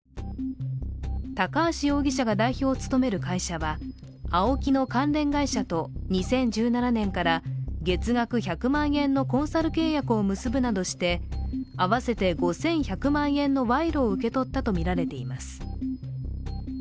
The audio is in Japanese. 高橋容疑者が代表を務める会社はＡＯＫＩの関連会社と２０１７年から月額１００万円のコンサル契約を結ぶなどして合わせて５１００万円の賄賂を受け取ったとみられています。